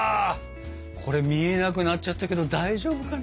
これ見えなくなっちゃったけど大丈夫かな。